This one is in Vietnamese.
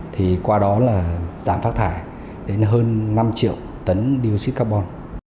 thì qua đó giảm phát thải đến hơn năm triệu tấn dioxide carbon